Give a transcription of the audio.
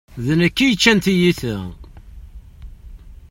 D nekk i yeččan tiyita.